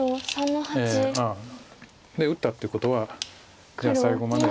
ええ打ったってことはじゃあ最後まで。